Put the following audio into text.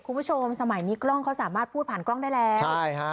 คุณผู้ชมสมัยนี้กล้องเขาสามารถพูดผ่านกล้องได้แล้วใช่ฮะ